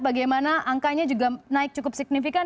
bagaimana angkanya juga naik cukup signifikan